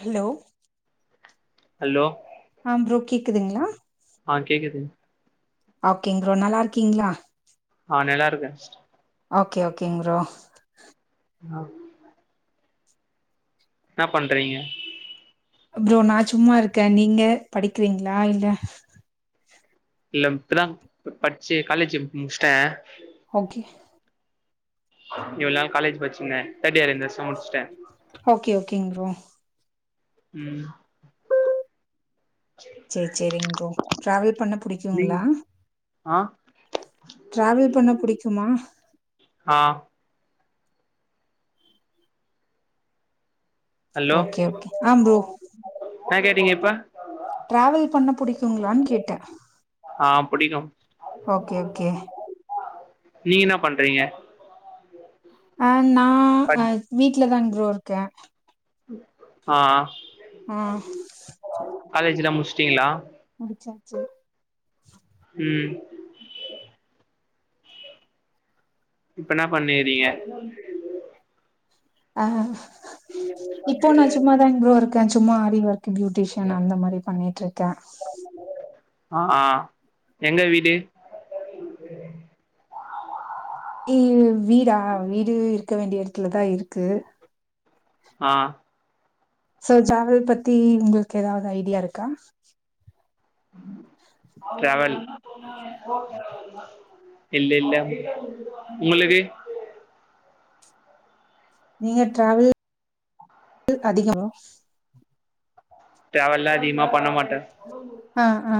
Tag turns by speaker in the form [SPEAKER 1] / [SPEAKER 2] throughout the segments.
[SPEAKER 1] Hello
[SPEAKER 2] hello
[SPEAKER 1] ஆம் bro கேக்குதுங்ளா?
[SPEAKER 2] ஆ கேக்குதுங்
[SPEAKER 1] ஓகேங் ப்ரோ நல்லா இருக்கீங்ளா?
[SPEAKER 2] ஆ நெல்லா இருக்கே சிஸ்ட
[SPEAKER 1] ஓகே ஓகேங் ப்ரோ
[SPEAKER 2] [unintelligible] என்னா பண்றீங்க?
[SPEAKER 1] ப்ரோ நா சும்மா இருக்கே நீங்க படிக்கிறீங்களா இல்ல
[SPEAKER 2] இல்ல இப்பதா படிச்சு காலேஜ் முடிச்ட்டே.
[SPEAKER 1] ஓகே
[SPEAKER 2] இவ்ளோ நாள் காலேஜ் படிச்சிருந்த தேர்ட்யேர் இந்த வருஷொ முடிச்சுட்டே.
[SPEAKER 1] ஓகே ஓகேங் ப்ரோ
[SPEAKER 2] ம்
[SPEAKER 1] சேர் சேரிங் ப்ரோ டிராவல் பண்ண
[SPEAKER 2] நீங்
[SPEAKER 1] புடிக்குங்ளா?
[SPEAKER 2] ஆ
[SPEAKER 1] டிராவல் பண்ண புடிக்குமா?
[SPEAKER 2] ஆ
[SPEAKER 1] ஓகே ஓகே ஆம் ப்ரோ
[SPEAKER 2] ன்னா கேட்டீங்க இப்ப
[SPEAKER 1] ட்ராவல் பண்ண புடிக்குங்களான் கேட்ட
[SPEAKER 2] ஆ புடிக்கு
[SPEAKER 1] ஓகே ஓகே
[SPEAKER 2] நீங்க என்னா பண்றீங்க?
[SPEAKER 1] அ நா
[SPEAKER 2] பட்
[SPEAKER 1] அ வீட்லதாங் ப்ரோ இருக்க
[SPEAKER 2] ஆ காலேஜ்ல்லா முடுச்சுட்டீங்ளா
[SPEAKER 1] முட்சாச்சு
[SPEAKER 2] ம் இப்பென்னா பண்ணிறீங்க
[SPEAKER 1] ஆ இப்போ நா சும்மாதாங் ப்ரோ இருக் க சும்மா ஆரி ஒர்க் பியூட்டிஷியன் அந்த மாரி பண்ணிட்ருக்க
[SPEAKER 2] ஆ எங்க வீடு
[SPEAKER 1] இ வீடா வீடு இருக்க வேண்டிய எடத்துலதா இருக்கு
[SPEAKER 2] ஆ
[SPEAKER 1] சோ ட்ராவல் பத்தி உங்களுக்கு ஏதாவது ஐடியா இருக்கா
[SPEAKER 2] ட்ராவல் இல்ல இல்ல உங்களுக்கு
[SPEAKER 1] நீங்க ட்ராவல் அதிக
[SPEAKER 2] ட்ராவல்லா அதிகமா பண்ண மாட்ட
[SPEAKER 1] ஆ ஆ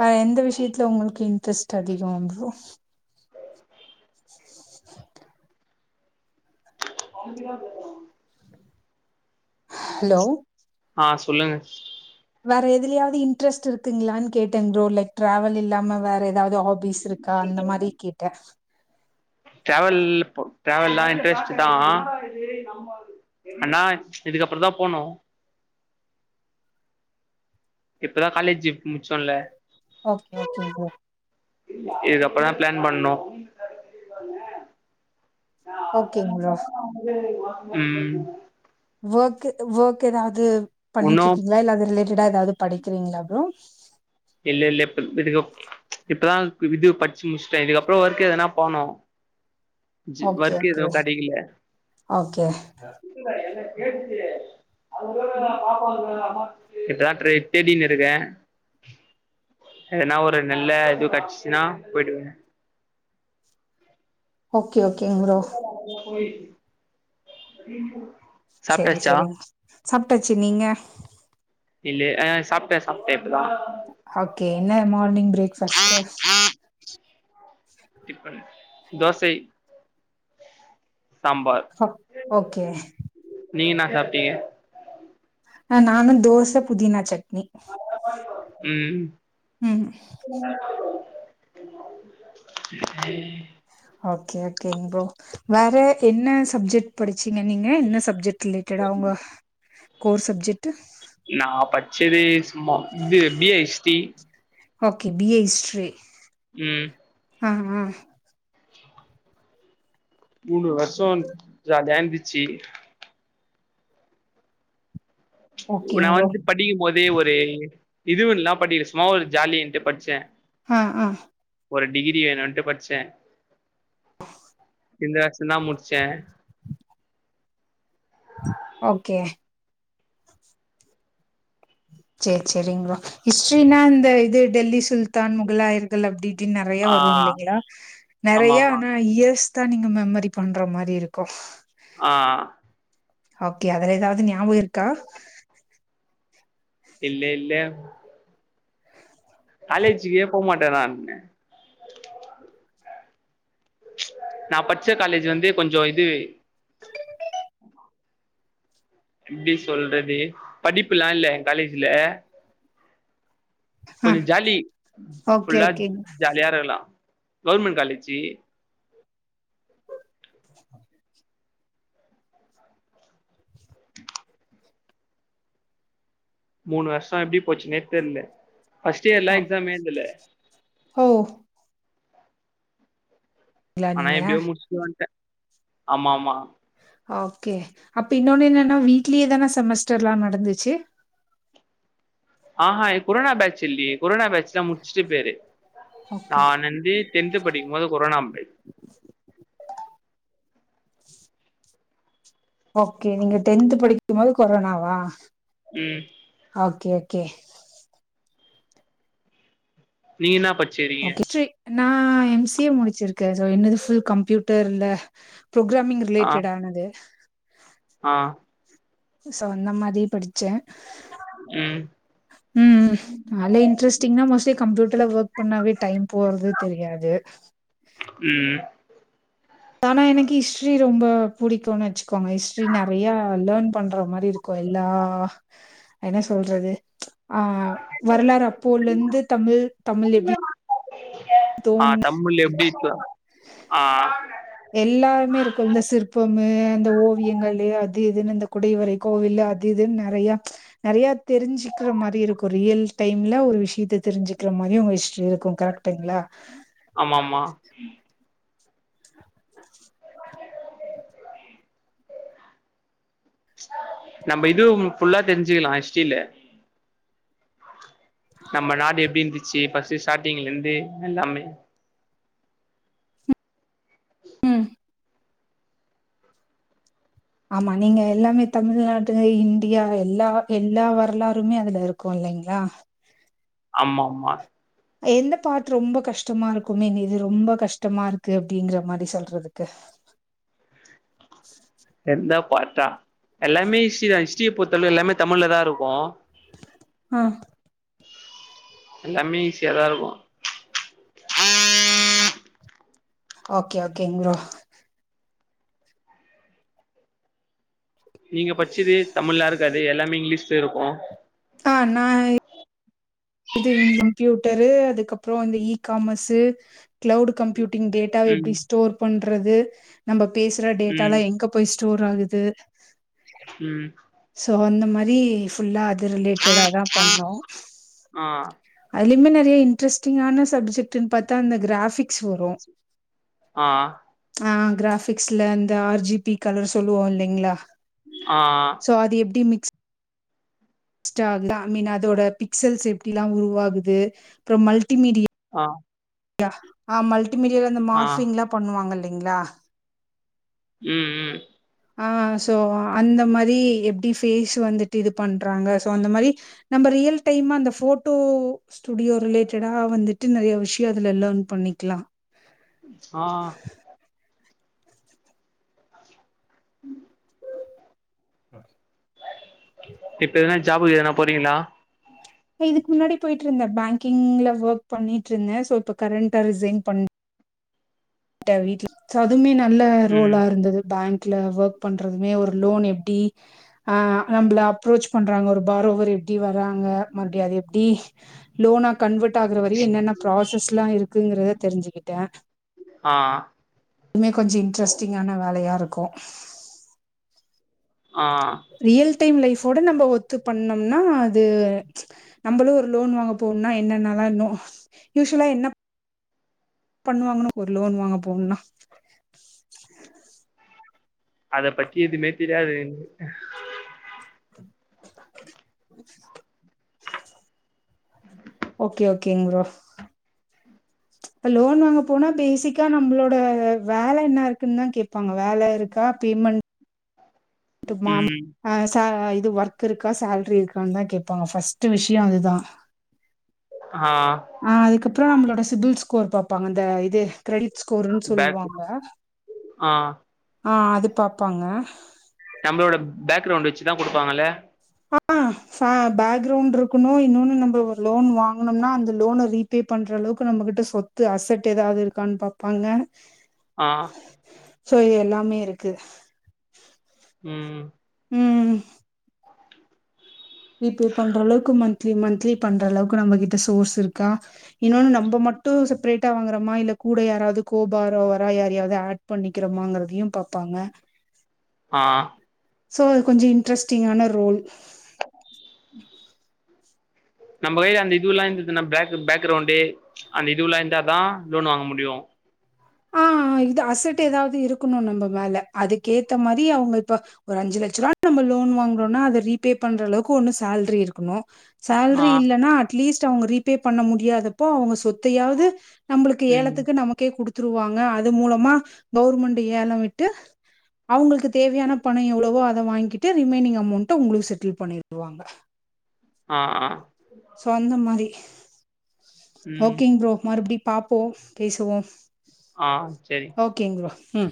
[SPEAKER 1] வேற எந்த விஷ்யத்துல உங்களுக்கு இன்ட்ரெஸ்ட் அதிகோ ப்ரோ
[SPEAKER 2] [inaudible]
[SPEAKER 1] ஹலோ
[SPEAKER 2] ஆ சொல்லுங்க
[SPEAKER 1] வேற எதுலயாவது இன்ட்ரெஸ்ட் இருக்குங்ளான் கேட்டேன் ப்ரோ லைக் ட்ராவல் இல்லாம வேற ஏதாவ்து ஆபிஸ் இருக்கா அந்த மாரி கேட்ட
[SPEAKER 2] ட்ராவல்லா இன்ட்ரஸ்ட் தா அண்ணா இதுக்கப்றோ தா போனு இப்பதா காலேஜு முட்சோல்ல
[SPEAKER 1] ஓகே ஓகேங் ப்ரோ
[SPEAKER 2] இதுக்கப்றோ தா ப்ளான் பண்னு
[SPEAKER 1] ஓகேங் ப்ரோ
[SPEAKER 2] ம்
[SPEAKER 1] வெர்க் வெர்க் எதாவ்து
[SPEAKER 2] ஒன்னு
[SPEAKER 1] பண்ணிட்ருக்கீங்களா இல்ல அது ரிலேட்டடா எதாவது படிக்கிறீங்களா ப்ரோ
[SPEAKER 2] இல்ல இல்ல இப்ப விடுகோ இப்பதா இது பட்ச்சு முட்ச்சுட்ட இதுக்கப்றோ ஒர்க்கு எதுனா போனு
[SPEAKER 1] ஓகே
[SPEAKER 2] ஒர்க்
[SPEAKER 1] ஓகே
[SPEAKER 2] எதுவு கெடைக்கல
[SPEAKER 1] ஓகே
[SPEAKER 2] இதா ட்ரே தேடினு இருக்க எதுனா ஒரு நல்ல இது கெட்சுச்சுனா போய்ட்டுவ
[SPEAKER 1] ஓகே ஓகேங் ப்ரோ
[SPEAKER 2] போய்
[SPEAKER 1] செரி செரிங்க சாப்ட்டாச்சு நீங்க
[SPEAKER 2] இல்ல ஆ சாப்ட்ட சாப்ட்டே இப்பதா
[SPEAKER 1] ஓகே என்ன morning breakfast
[SPEAKER 2] tiffin dosa sambar
[SPEAKER 1] அப் ஓகே
[SPEAKER 2] நீங் என்னா சாப்ட்டீங்க
[SPEAKER 1] ஆ நானு தோச புதினா சட்
[SPEAKER 2] ம்
[SPEAKER 1] ம் ஓகே ஓகேங் ப்ரோ வேற என்ன சப்ஜெக்ட் படுச்சீங்க நீங்க என்ன சப்ஜெக்ட் ரிலேடட் எடா ஒங்க கோர் சப்ஜெட்டு
[SPEAKER 2] நா பட்ச்சது சும்மா இது B A history
[SPEAKER 1] okay B A history
[SPEAKER 2] ம்
[SPEAKER 1] ஆ ஆ
[SPEAKER 2] மூணு வருஷோ ஜாலியாந்துச்சி
[SPEAKER 1] ஓகேங்
[SPEAKER 2] நா
[SPEAKER 1] ப்ரோ
[SPEAKER 2] வந்து படிக்கும் போதே ஒரு இதுவில்லா படிக்கல சும்மா ஒரு ஜாலின்ட்டு பட்ச்சே
[SPEAKER 1] ஹா அ
[SPEAKER 2] ஒரு டிகிரி வேணூன்ட்டு பட்ச்சே இந்த வருஷ்ந்தா முட்ச்சே
[SPEAKER 1] ஓகே செரி செரிங்களா ஹிஸ்ட்ரினா இந்த இது டெல்லி சுல்தான் முகலாயர்கள் அப்டி டு நறைய
[SPEAKER 2] ஆ
[SPEAKER 1] வரு இல்லைங்களா
[SPEAKER 2] ஆமா
[SPEAKER 1] நறைய
[SPEAKER 2] ஆமா
[SPEAKER 1] ஆனா இயர்ஸ் தா நீங்க மெம்மரி பண்ற மாரி இருக்கூ
[SPEAKER 2] ஆ
[SPEAKER 1] ஓகே அதுல எதாவ்து ஞாபகருக்கா
[SPEAKER 2] இல்லே இல்ல காலோஜிக்கே போமாட்டே நான்னு நா பச்ச காலேஜு வந்து கொஞ்சோ இது
[SPEAKER 1] உ [inaudible]
[SPEAKER 2] எப்டி சொல்றது படிப்புலா இல்லே ஏ காலேஜ்ல
[SPEAKER 1] ஆ
[SPEAKER 2] கொஞ்ச ஜாலி
[SPEAKER 1] ஓகே
[SPEAKER 2] ஃபுல்லா
[SPEAKER 1] ஓகேங்க
[SPEAKER 2] ஜாலியாருகலா கௌமெண்ட் காலேஜி மூணு வருஷோ எப்டி போச்சுனே தெர்ல ஃபஸ்ட் இயர்லா எக்ஸாமே ஏதல
[SPEAKER 1] ஹோ
[SPEAKER 2] ஆன
[SPEAKER 1] நீங்க
[SPEAKER 2] எப்டியோ முட்ச்சுட்டு வன்ட்டே ஆமாமா
[SPEAKER 1] ஓகே அப்ப இன்னொன்னு என்னன்னா வீட்லியே தானே செமஸ்டர்லா நடந்துச்சு
[SPEAKER 2] ஆஹா குரோனா பேட்ச் இல்லையே குரோனா பேட்ச்லா முட்ச்சுட்டு பேரு
[SPEAKER 1] ஓகே
[SPEAKER 2] நானந்து டென்த்து படிக்கும்போது குரோனா பே
[SPEAKER 1] [inaudible] ஓக்கே நீங்க டென்த்து படிக்கும்போது கொரோனாவா
[SPEAKER 2] ம்
[SPEAKER 1] ஓகே கே
[SPEAKER 2] நீங்கு என்னா பட்
[SPEAKER 1] ஓகே ஸ்ட்ரி நா எம் சி ஏ முடிச்சிருக்கே சோ என்னது ஃபுல் கம்ப்யூட்டர்ல ப்ரோக்ராமிங்
[SPEAKER 2] ஆ
[SPEAKER 1] ரிலேட்டடானது
[SPEAKER 2] ஆ
[SPEAKER 1] சொ அந்த மாரி படிச்சே
[SPEAKER 2] ம்
[SPEAKER 1] ம் நால்லே இன்ட்ரெஸ்டிங்கா மோஸ்ட்லி கம்ப்யூட்டர்ல ஒர்க் பண்ணாவே டைம் போறது தெரியாது
[SPEAKER 2] ம்
[SPEAKER 1] ஆனா எனக்கு இஸ்ட்ரி ரொம்ப புடிக்கூனன் வச்சுக்கோங்க இஸ்ட்ரி நறைய லேர்ன் பண்ற மாரி இருக்கு எல்லா என்ன சொல்றது ஆ வரலாறு அப்போலேந்து தமிழ் தமிழ் எப்டி
[SPEAKER 2] ஆ
[SPEAKER 1] தோன்
[SPEAKER 2] தமிழ் எப்டி சொ ஆ
[SPEAKER 1] எல்லாமே இருக்கூ இந்த சிற்பமு அந்த ஓவியங்களு அது இதுன்னு இந்த குடைவரை கோவிலு அது இதுன் நறையா நறைய தெரிஞ்சுக்கிற மாரி இருக்கூ ரியல் டைம்ல ஒரு விஷ்யத்த தெரிஞ்சுக்கிற மாரி உங்க இஸ் ட்ரி இருக்கூ கரெக்ட்டுங்ளா
[SPEAKER 2] ஆமா ஆமா
[SPEAKER 1] [inaudible]
[SPEAKER 2] [inaudible] நம்ம இதும் ஃபுல்லா தெரிஞ்சுகலா ஹிஸ்ட்ரில நம்ம நாடு எப்டிந்துச்சி ஃபஸ்ட்டு ஸ்டாட்டிங்லேந்து எல்லாமே
[SPEAKER 1] ம். ஆமா நீங்க எல்லாமே தமிழ்நாட்டு இந்தியா எல்லா எல்லா வரலாறுமே அதுல இருக்கூ லைங்ளா
[SPEAKER 2] ஆமாமா
[SPEAKER 1] எந்த பார்ட் ரொம்ப கஷ்டமா இருக்கூ மீன் இது ரொம்ப கஷ்டமாருக்கு அப்டிங்கிற மாரி சொல்றதுக்கு உ
[SPEAKER 2] [unintelligible] எல்லாமே ஹிஸ்ட்ரி தா ஹிஸ்ட்ரிய பொர்த்தளவு எல்லாமே தமிழ் லதா இருக்கு
[SPEAKER 1] ஆ
[SPEAKER 2] எல்லாமே ஈஸியாதா இருக்கு
[SPEAKER 1] ஓகே ஓகே ங்ப்ரோ
[SPEAKER 2] நீங்க பச்சது தமிழ்லா இருக்காது எல்லாமே இங்கிலீஷ் இருக்கு
[SPEAKER 1] ஆ நா இது [unintelligible] கம்ப்யூட்டரு அதுக்கப்ற இந்த இ காமர்ஸு கிளவுடு கம்ப்யூட் [unintelligible] டேட்டாவ
[SPEAKER 2] ம்
[SPEAKER 1] எப்டி ஸ்டோர் பண்றது நம்ம பேசுற டேட்டாலா
[SPEAKER 2] ம்
[SPEAKER 1] எங்க போயி ஸ் ஸ்டோர் ஆகுது
[SPEAKER 2] ம்
[SPEAKER 1] சோ அந்த மாரி ஃபுல்லா அது ரிலேட்டடாதா பண்ணோ
[SPEAKER 2] ஆ
[SPEAKER 1] அதுலயுமே நறைய இன்ட்ரஸ்டிங்கான சப்ஜெக்ட்ன்னு பாத்தா அந்த கிராபிக்ஸ் வரு
[SPEAKER 2] ஆ
[SPEAKER 1] ஆ கிராபிக்ஸ்ல இந்த ஆர்ஜிபி கலர் சொல்லுவோலிங்களா
[SPEAKER 2] ஆ
[SPEAKER 1] சோ அது எப்டி [unintelligible] ஐ மீன் அதோட பிக்சல்ஸ் எப் [unintelligible] ல்லா உருவாகுது அப்புற மல்டிமீடி
[SPEAKER 2] ஆ
[SPEAKER 1] [unintelligible] ஆ மல்டிமீடியால இந்த
[SPEAKER 2] ஆ
[SPEAKER 1] மார்பிங்லா பண்ணுவாங்கலிங்களா
[SPEAKER 2] ம் ம்
[SPEAKER 1] ஆ சோ அந்த மாரி எப்டி ஃபேஸ் வந்துட்டு இது பண்றாங்க சோ அந்த மாரி நம்ம ரியல் டைம்மா அந்த போட்டோ ஸ்டுடியோ ரிலேட்டடா வந்துட்டு நறைய விஷ் [unintelligible] அதுல லேர்ன் பண்ணிக்லா
[SPEAKER 2] ஆ ம்
[SPEAKER 1] [inaudible]
[SPEAKER 2] இப்ப எதுனா ஜாபுக்குஎதனா போறீங்களா
[SPEAKER 1] இதுக்கு முன்னாடி போயிட்டு இருந்தே பேங்கிங்ல ஒர்க் பண்ணிட்டு இருந்தே சோ இப்ப கரண்ட்டா ரிசைன் பண் [unintelligible] சோ அதுமே நல்ல
[SPEAKER 2] ம்
[SPEAKER 1] ரோலா இருந்தது பேங்க் [unintelligible] ல வெர்க் பண்றதுமே ஒரு லோன் எப்டி அ நம்ல அப்ரோச் பண்றாங்க ஒரு பாரோவர் [unintelligible] எப்டி வராங்க மறுபடி அது எப்டி லோனா கன்வெர்ட் ஆகுற வரையு என்னென்ன ப்ராசஸ்லா இருக்கு இருக்குங்குறத தெரிஞ்சுக்கிட்டே
[SPEAKER 2] ஆ
[SPEAKER 1] இதுமே கொஞ்ச இன்ட்ரெஸ்டிங்கான வேலையா இருக் கு
[SPEAKER 2] ஆ
[SPEAKER 1] ரியல் டைம் லைஃப் ட நம்ம ஒத்து பண்ணோம்னா அது நம்மளு ஒரு லோன் வாங்க போனும்னா என்னன்னாளா இன்னு யூசுவலா என்ன பண்ணுவாங்கன்னா ஒரு லோன் வாங்க போகணும்னா
[SPEAKER 2] அத பத்தி எதுமே தெரியாது
[SPEAKER 1] ஓகே ஓகேங்க ப்ரோ இப்ப லோன் வாங்க போனா பேசிக்கா நம்ளோட வேல என்ன இருக்குன்னு தான் கேட்பாங்க வேல இருக்கா பே மண்ட் மாம்
[SPEAKER 2] ம்
[SPEAKER 1] ஆ ச து ஒர்க் இருக்கா சேலரி இருக்கான்னு தா கேப்பாங்க ஃபஸ்ட்டு விஷய அதுதா
[SPEAKER 2] ஆ
[SPEAKER 1] ஆ அதுக்கப்புற நம்ளோட சிபில் ஸ்கோர் பாப்பாங்க அந்த இது கிரெடிட் ஸ்கோருன்னு
[SPEAKER 2] பேக்
[SPEAKER 1] சொல்லுவாங்க
[SPEAKER 2] ஆ
[SPEAKER 1] ஆ அது பாப்பாங்க
[SPEAKER 2] நம்மளோட பேக்ரவுண்ட் வச்சுதா கொடுப்பாங்கல
[SPEAKER 1] ஆ பேக்ரவுண்ட் இருக்கணு இன்னொன்னு நம்ம லோன் வாங்கனோம்னா அந்த லோன ரீபே பண் ற அளவுக்கு நம்மகிட்ட சொத்து அசட் எதாது இருக்கான்னு பாப்பாங்க
[SPEAKER 2] ஆ
[SPEAKER 1] சோ இது எல்லாமே இருக்கு
[SPEAKER 2] ம் ம்
[SPEAKER 1] ம் ரீபே பண்ற அளவுக்கு மந்த்லி மந்த்லி பண்ற அளவுக்கு நம்மகிட்ட சோர்ஸ் இருக்கா இன்னொன்னு நம்ப ம மட்டு செப்ரேட்டா வாங்குறமா இல்ல கூட யாராவது கோபாரோ வரா யாராவது ஆட் பண்ணிக்கிறோமாங்கறதையு பா பாங்க
[SPEAKER 2] ஆ
[SPEAKER 1] சோ அது கொஞ்ச இன்ட்ரெஸ்ட்டிங்கான ரோல்
[SPEAKER 2] நம்பளே அந்த இதுவுெல்லா இருந்ததுனா பேக் பேக்கிரவுண்டு அந்த இதுவுல்லா இருந்தாதா லோன் வாங்க முடியு
[SPEAKER 1] ஆ அ இது அசட் ஏதாவது இருக்கணு நம்ப மேல அதுக்கேத்த மாரி அவுங்க இப்ப ஒரு அஞ்சு லட்ச ரூபா நம்ம லோன் வாங்கறோனா அத ரீபே பண்றளவுக்கு ஒன்னு சேலரி இருக்கணு
[SPEAKER 2] ஆ
[SPEAKER 1] சேலரி இல்லனா அட்லீஸ்ட் அவுங்க ரீபே பண்ண முடியாதப்போ அவுங்க சொத்தையாது நம்மளுக்கு
[SPEAKER 2] ம்
[SPEAKER 1] ஏலத்துக்கு நமக்கே குடுத்துருவாங்க அது மூலமா கவுர்மெண்டு ஏல விட்டு அவுங்ளுக்கு தேவயான பண எவ்வளவோ அத வாங்கிக்கிட்டு ரிமைனிங் அமௌண்ட உங்களுக்கு செட்டில் பண்ணிடுவாங்க
[SPEAKER 2] ஆ ஆ
[SPEAKER 1] சொந்த மாரி
[SPEAKER 2] ம்
[SPEAKER 1] ஓகேங் ப்ரோ மறுபடி பாப்போ பேசுவோ
[SPEAKER 2] ஆ சேரி
[SPEAKER 1] ம்